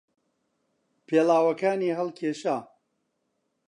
پێڵاوەکانی هەڵکێشا.